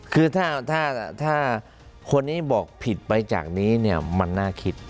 คือถ้าคนนี้บอกผิดไปจากนี้เนี่ยมันน่าคิด